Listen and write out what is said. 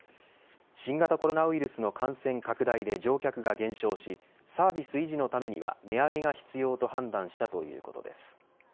新型コロナウイルスの感染拡大で乗客が減少しサービス維持のためには値上げが必要と判断したということです。